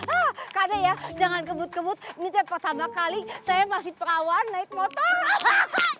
ah kade ya jangan kebut kebut minta pertama kali saya masih perawan naik motor hahaha aduh akan